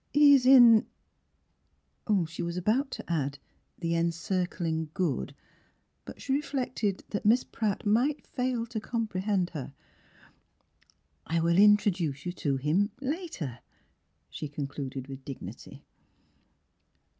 He is in " She was <£ 47 The Transfigitratio7t of about to add the encircling Good/' but she reflected that Miss Pratt might fail to com prehend her. " I will intro duce you to him — later," she concluded with dignity.